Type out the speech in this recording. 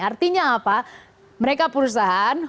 artinya apa mereka perusahaan